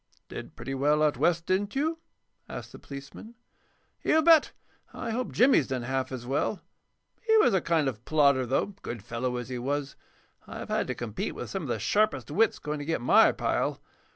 "Did pretty well out West, didn't you?" asked the policeman. "You bet! I hope Jimmy has done half as well. He was a kind of plodder, though, good fellow as he was. I've had to compete with some of the sharpest wits going to get my pile.